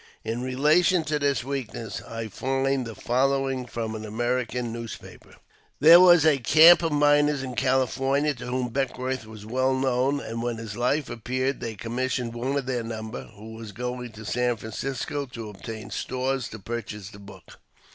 In relation to this weak ness, I find the following from an American newspaper :—There was a camp of miners in California to whom Beckwourth was well known, and when his life appeared they commissioned one of their number, who was going to San Francisco to obtain stores, to purchase the book.